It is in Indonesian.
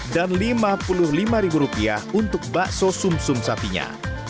dan rp lima puluh lima untuk bakso sumsum sapinya